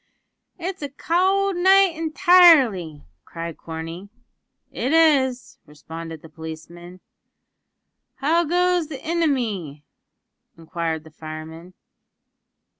"It's a cowld night intirely," cried Corney. "It is," responded the policeman. "How goes the inimy?" inquired the fireman.